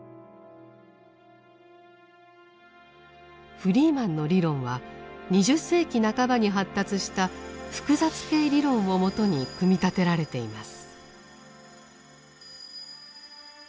フリーマンの理論は２０世紀半ばに発達した複雑系理論をもとに組み立てられています。